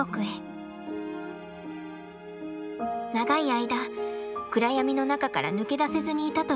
長い間暗闇の中から抜け出せずにいたという由実子さん。